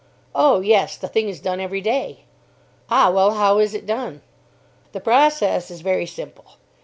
"Oh yes, the thing is done every day." "Ah, well, how is it done?" "The process is very simple.